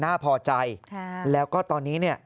น่าพอใจแล้วก็ตอนนี้